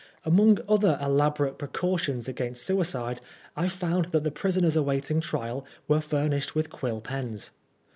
Among other elaborate precautions against suicide, I found that the prisoners awaiting trial were furnished with quill pens.